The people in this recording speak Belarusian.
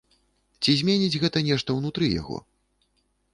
Ці зменіць гэта нешта ўнутры яго?